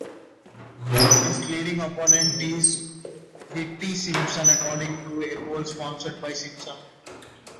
His leading opponent is Yvette Simpson according to a poll sponsored by Simpson.